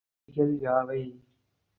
வளி விதிகள் யாவை?